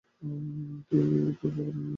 তুই তোর বাবা-মায়ের খুব ভাল মেয়ে।